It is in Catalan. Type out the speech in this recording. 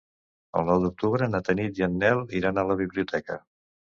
El nou d'octubre na Tanit i en Nel iran a la biblioteca.